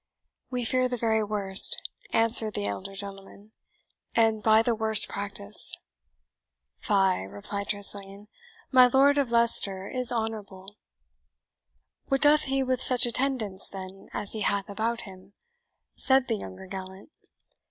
"We fear the very worst," answered the elder gentleman, "and by the worst practice." "Fie," replied Tressilian, "my Lord of Leicester is honourable." "What doth he with such attendants, then, as he hath about him?" said the younger gallant.